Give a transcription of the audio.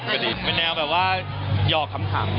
เป็นแนวแบบว่าหยอกขำ